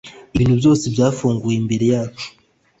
ibintu byose byafunguwe imbere yacu